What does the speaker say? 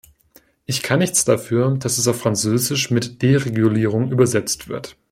Ich kann nichts dafür, dass es auf Französisch mit "Deregulierung" übersetzt wird.